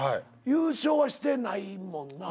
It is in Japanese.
優勝はしてないもんな。